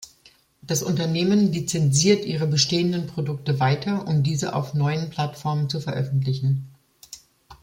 Das Unternehmen lizenziert ihre bestehenden Produkte weiter, um diese auf neuen Plattformen zu veröffentlichen.